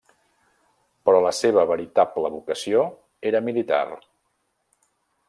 Però la seva veritable vocació era militar.